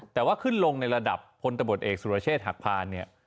แต่ว่าขึ้นลงในระดับพลตะบดเอกสุรเชษฐ์หักพานเนี่ย